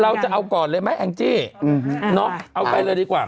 เราจะเอาก่อนเลยไหมแองจี้เอาไปเลยดีกว่า